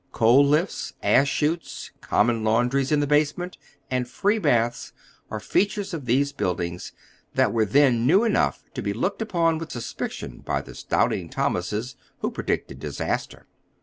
Coal hfts, ash chutes, common laundries in the basement, and free baths, are features of these buildings that were then new enough to be looked upon witli suspicion by the doubting Thom ases who predicted disaster.